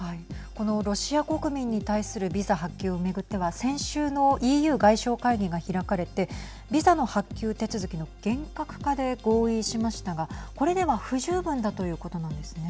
このロシア国民に対するビザ発給を巡っては先週のＥＵ外相会議が開かれてビザの発給手続きの厳格化で合意しましたがこれでは不十分だということなんですね。